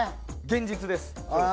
現実です。